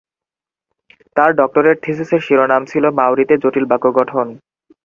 তাঁর ডক্টরেট থিসিসের শিরোনাম ছিল "মাউরিতে জটিল বাক্য গঠন"।